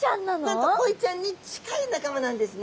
なんとコイちゃんに近い仲間なんですね。